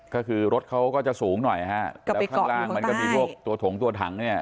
ก็คือรถเขาก็จะสูงหน่อยอ่ะฮะก็ไปเกาะอยู่ข้างใต้แล้วข้างล่างมันก็มีพวกตัวถงตัวถังเนี้ย